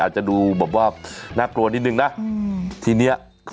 อ๋อใช่